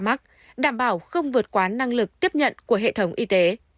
hà nội đảm bảo không vượt quá năng lực tiếp nhận của hệ thống y tế